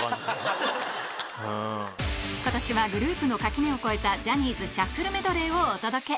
今年はグループの垣根を越えたジャニーズシャッフルメドレーをお届け